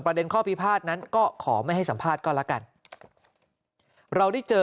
ข้อพิพาทนั้นก็ขอไม่ให้สัมภาษณ์ก็แล้วกันเราได้เจอ